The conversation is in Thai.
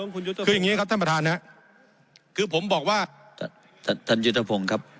คือยังงี้ครับท่านประธานนะครับคือผมบอกว่าท่านยุทธภงครับ